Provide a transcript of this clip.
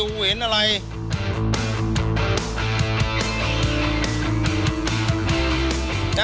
ดูสิติดแม่น้ำเจ้าพระยาน่ะนั่งโต๊ะนี้ดีกว่า